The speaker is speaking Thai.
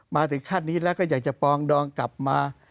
ถึงขั้นนี้แล้วก็อยากจะปองดองกลับมา